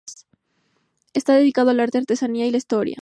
Está dedicado al arte, la artesanía y la historia.